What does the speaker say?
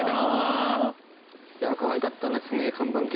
かわいかったですね看板犬。